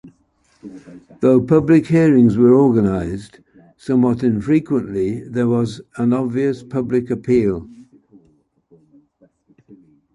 Though public hearings were organized somewhat infrequently, there was an obvious public appeal.